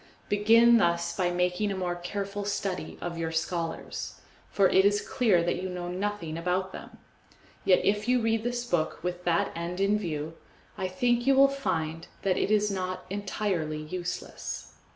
Begin thus by making a more careful study of your scholars, for it is clear that you know nothing about them; yet if you read this book with that end in view, I think you will find that it is not entirely useless.